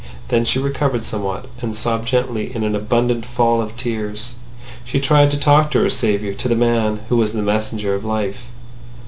Then she recovered somewhat, and sobbed gently in an abundant fall of tears. She tried to talk to her saviour, to the man who was the messenger of life.